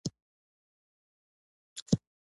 مېز له لرګي جوړېږي.